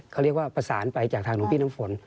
เขาเรียกว่าประสานไปจากทางหลวงพี่น้ำฝน